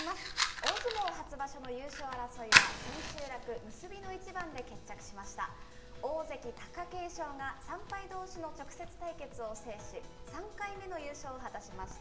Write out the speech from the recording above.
大相撲初場所の優勝争いは、千秋楽、結びの一番で決着しました。